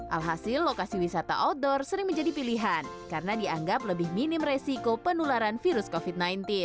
alhasil lokasi wisata outdoor sering menjadi pilihan karena dianggap lebih minim resiko penularan virus covid sembilan belas